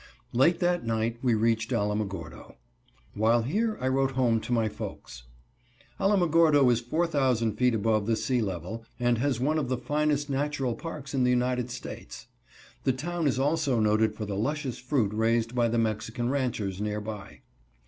Late that night we reached Alamogordo. While here I wrote home to my folks. Alamogordo is 4,000 feet above the sea level, and has one of the finest natural parks in the United States. The town is also noted for the luscious fruit raised by the Mexican ranchers nearby.